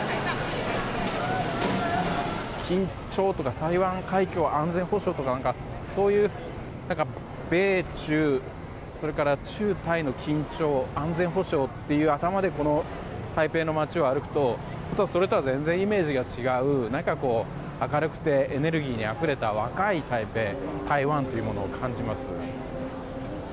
緊張とか台湾海峡安全保障とかそういう米中それから中台の緊張安全保障という頭で台北の街を歩くとそれとは全然イメージが違う明るくてエネルギーにあふれた若い台北、台湾というものを感じます。